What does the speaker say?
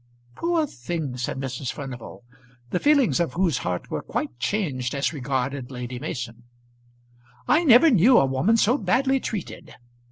"Poor thing!" said Mrs. Furnival, the feelings of whose heart were quite changed as regarded Lady Mason. "I never knew a woman so badly treated."